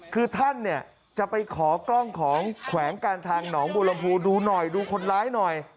คือท่านเนี่ยจะไปขอกล้องของแขวงการทางหนองบัวลำพูดูหน่อยดูคนร้ายหน่อย